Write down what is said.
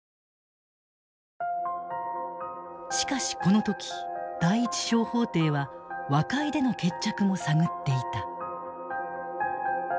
しかしこの時第一小法廷は和解での決着も探っていた。